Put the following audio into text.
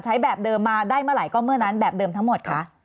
แบบเดิมมาได้เมื่อไหร่ก็เมื่อนั้นแบบเดิมทั้งหมดคะ